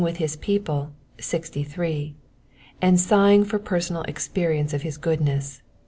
ith his people (63), and sighing for personal experience of his goodness (64).